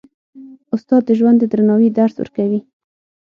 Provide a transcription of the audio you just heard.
استاد د ژوند د درناوي درس ورکوي.